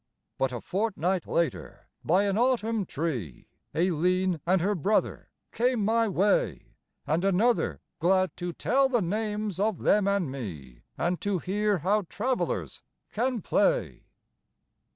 But a fortnight later, by an autumn tree, Aileen and her brother came my way, And another, glad to tell the names of them and me, And to hear how travellers can play.